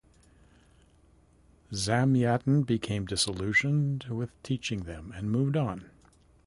Zamyatin became disillusioned with teaching them, and moved on.